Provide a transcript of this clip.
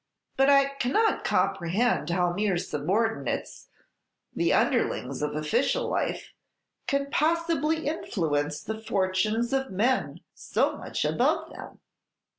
"But I cannot comprehend how mere subordinates, the underlings of official life, can possibly influence the fortunes of men so much above them."